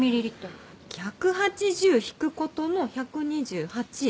１８０引く事の１２８。